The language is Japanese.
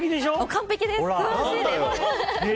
完璧です。